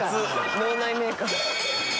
脳内メーカー。